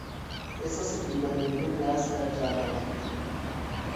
احساس بیگانگی و یاس در جوانان